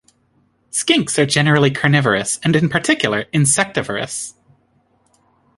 Skinks are generally carnivorous and in particular insectivorous.